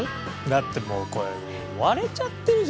だってもうこれ割れちゃってるじゃん縦に。